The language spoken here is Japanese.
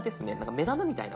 目玉みたいな。